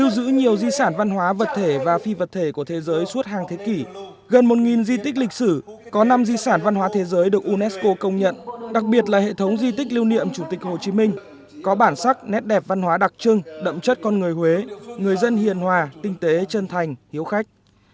di sản văn hóa vật thể và phi vật thể của thế giới suốt hàng thế kỷ gần một di tích lịch sử có năm di sản văn hóa thế giới được unesco công nhận đặc biệt là hệ thống di tích lưu niệm chủ tịch hồ chí minh có bản sắc nét đẹp văn hóa đặc trưng đậm chất con người huế người dân hiền hòa tinh tế chân thành hiếu khách